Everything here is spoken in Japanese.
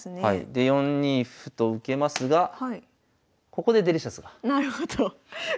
で４二歩と受けますがここでデリシャスがなるほど。きます。